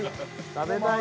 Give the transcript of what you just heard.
食べたい！